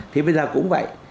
thì bây giờ cũng vậy